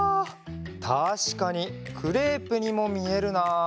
たしかにクレープにもみえるな。